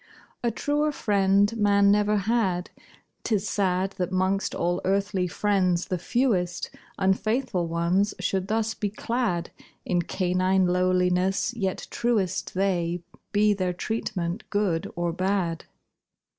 A truer friend man never had; 'Tis sad That 'mongst all earthly friends the fewest Unfaithful ones should thus be clad In canine lowliness; yet truest They, be their treatment good or bad.